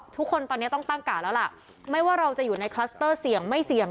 ทุกคนตอนนี้ต้องตั้งกาดแล้วล่ะไม่ว่าเราจะอยู่ในคลัสเตอร์เสี่ยงไม่เสี่ยง